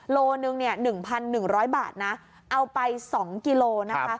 โลหนึ่งเนี่ยหนึ่งพันหนึ่งร้อยบาทนะเอาไปสองกิโลนะคะ